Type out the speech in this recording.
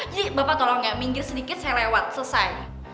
jadi bapak tolong ya minggir sedikit saya lewat selesai